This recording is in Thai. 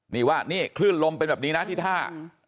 นี่ว่านี่คลื่นลมเป็นแบบนี้นะที่ท่า